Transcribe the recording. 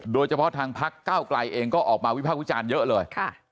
โดยเฉพาะทางพรรคก้าวไกลก็ออกมาวิพาห์วิชาญเยอะเลย